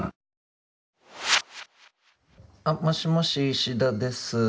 あっもしもし石田です。